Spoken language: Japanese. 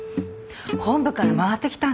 本部から回ってきたんです。